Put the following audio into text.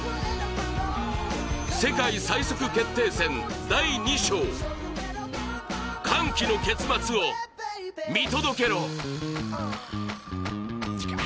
世界最速決定戦第２章、歓喜の結末を見届けろ！